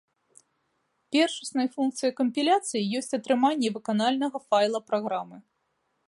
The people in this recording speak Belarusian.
Першаснай функцыяй кампіляцыі ёсць атрыманне выканальнага файла праграмы.